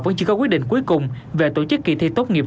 vẫn chưa có quyết định cuối cùng về tổ chức kỳ thi tốt nghiệp